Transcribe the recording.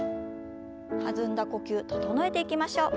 弾んだ呼吸整えていきましょう。